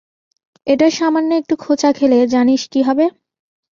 এটার সামান্য একটু খোঁচা খেলে, জানিস কী হবে?